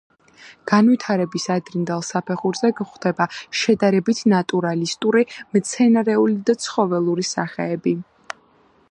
განვითარების ადრინდელ საფეხურზე გვხვდება შედარებით ნატურალისტური მცენარეული და ცხოველური სახეები.